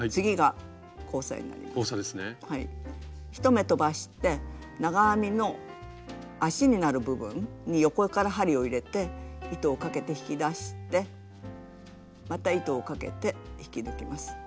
１目とばして長編みの足になる部分に横から針を入れて糸をかけて引き出してまた糸をかけて引き抜きます。